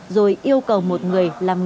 rồi yêu cầu một người làm việc